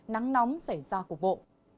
nắng nóng xảy ra cuộc bộ